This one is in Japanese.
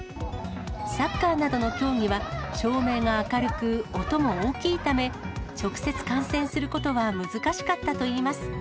サッカーなどの競技は、照明が明るく、音も大きいため、直接、観戦することは難しかったといいます。